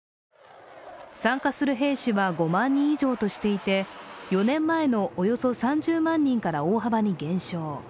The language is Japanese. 参加する兵士は５万人以上としていて４年前のおよそ３０万人から大幅に減少。